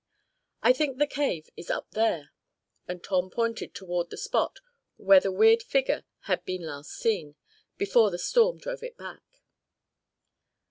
I think the cave is up there," and Tom pointed toward the spot where the weird figure had been last seen, before the storm drove it back.